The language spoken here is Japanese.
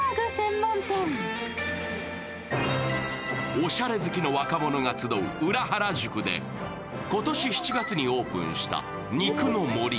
おしゃれ好きの若者が集う裏原宿で今年７月にオープンした肉の森。